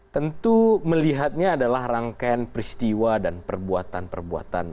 tentu melihatnya adalah rangkaian peristiwa dan perbuatan perbuatan